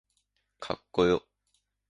かっこよ